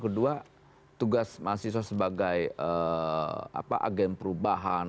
kedua tugas mahasiswa sebagai agen perubahan